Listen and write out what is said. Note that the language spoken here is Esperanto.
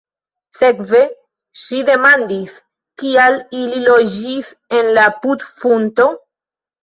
Sekve ŝi demandis: "Kial ili loĝis en la putfundo?"